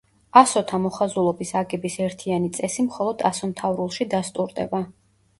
ასოთა მოხაზულობის აგების ერთიანი წესი მხოლოდ ასომთავრულში დასტურდება.